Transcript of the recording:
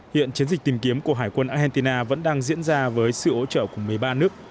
hiện chiến dịch tìm kiếm của hải quân argentina vẫn đang diễn ra với sự hỗ trợ của một mươi ba nước